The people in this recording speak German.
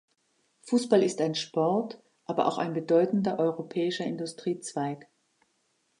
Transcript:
Fußball ist ein Sport, aber auch ein bedeutender europäischer Industriezweig.